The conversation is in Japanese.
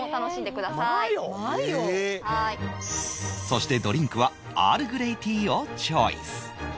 そしてドリンクはアールグレイティーをチョイス